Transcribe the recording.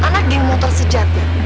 karena kalau anak geng motor sejati